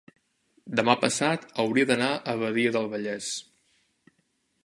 demà passat hauria d'anar a Badia del Vallès.